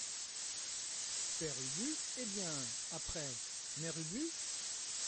Père Ubu Eh bien, après, Mère Ubu ?